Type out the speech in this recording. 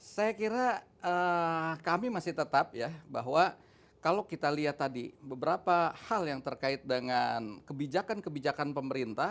saya kira kami masih tetap ya bahwa kalau kita lihat tadi beberapa hal yang terkait dengan kebijakan kebijakan pemerintah